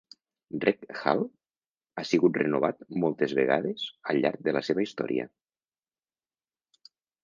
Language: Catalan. Rec Hall ha sigut renovat moltes vegades al llarg de la seva història.